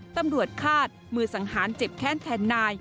ตำรวจคาดมือสังหารเจ็บแค้นแทนนาย